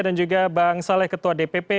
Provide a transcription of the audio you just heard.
juga bang saleh ketua dpp